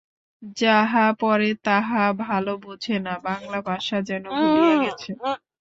যাহা পড়ে তাহা ভালো বোঝে না, বাংলা ভাষা যেন ভুলিয়া গেছে।